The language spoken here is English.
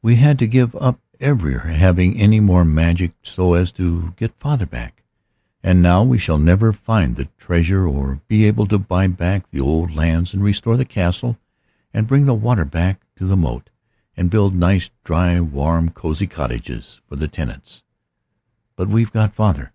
"We had to give up ever having any more magic, so as to get father back. And now we shall never find the treasure or be able to buy back the old lands and restore the Castle and bring the water back to the moat, and build nice, dry, warm, cozy cottages for the tenants. But we've got father."